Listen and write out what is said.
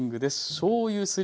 しょうゆすり